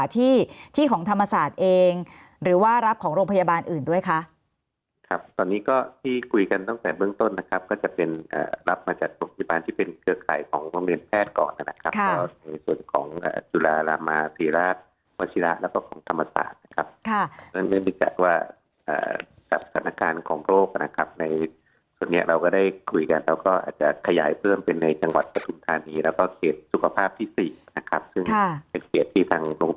ที่ของธรรมศาสตร์เองหรือว่ารับของโรงพยาบาลอื่นด้วยคะครับตอนนี้ก็ที่คุยกันตั้งแต่เบื้องต้นนะครับก็จะเป็นอ่ารับมาจากโรงพยาบาลที่เป็นเครือข่ายของวงเรียนแพทย์ก่อนน่ะครับค่ะส่วนของอ่าจุลาลามาศรีราชวชิราแล้วก็ของธรรมศาสตร์นะครับค่ะเพราะฉะนั้นเรียกจากว่าอ่าสถานการณ์